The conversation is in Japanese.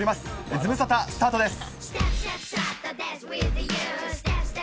ズムサタ、スタートです。